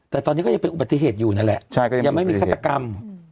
แต่ตอนนี้ก็ยังเป็นอุปสรรค์อุปสรรค์เหตุอยู่นั่นแหละยังไม่มีคัตกรรม